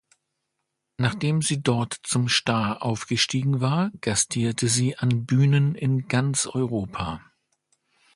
Nachdem sie dort zum Star aufgestiegen war, gastierte sie an Bühnen in ganz Europa.